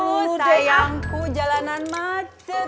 aduh sayangku jalanan macet